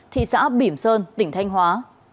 thị xã bỉm sơn tỉnh thanh hóa